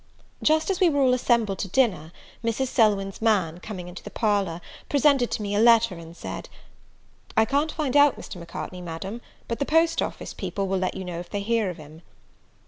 Just as we were all assembled to dinner, Mrs. Selwyn's man, coming into the parlour, presented to me a letter, and said, "I can't find out Mr. Macartney, Madam; but the post office people will let you know if they hear of him."